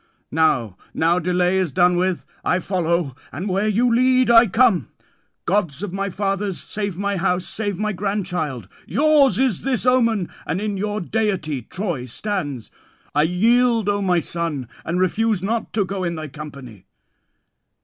"Now, now delay is done with: I follow, and where you lead, I come. Gods of my fathers, save my house, save my grandchild. Yours is this omen, and in your deity Troy stands. I yield, O my son, and refuse not to go in thy company."